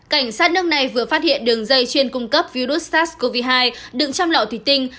cảnh sát nước này vừa phát hiện đường dây chuyên cung cấp virus sars cov hai đựng trong lọ thủy tinh